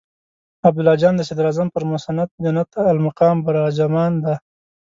عبدالله جان د صدراعظم پر مسند جنت المقام براجمان دی.